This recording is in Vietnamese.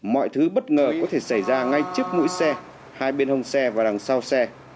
mọi thứ bất ngờ có thể xảy ra ngay trước mũi xe hai bên hông xe và đằng sau xe